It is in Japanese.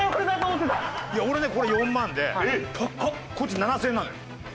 俺ねこれ４万でこっち７０００円なのよ。